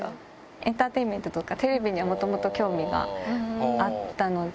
エンターテインメントとか、テレビにはもともと興味があったので。